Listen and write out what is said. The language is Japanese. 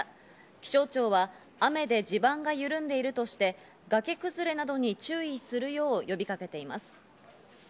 気象庁は雨で地盤が緩んでいるとして、がけ崩れなどに注意するよう呼びかけています。